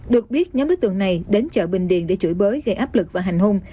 được biết nhóm đối tượng này đến chợ bình điền để chửi bới gây áp lực và hành hung